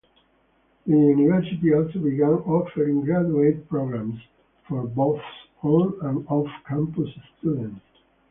The university also began offering graduate programs for both on- and off-campus students.